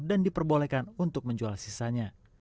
dan diperbolehkan untuk menjual sisanya